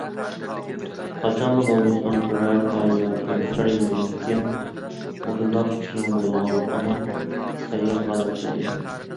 قاچانلا بولمىسۇن، بىرەر ئاي ياكى بىرەر يىلدىن كېيىن مۇشۇنداق ئىشنىڭ بولىدىغانلىقىغا تەييارلىق ھالەتتە ئىدى.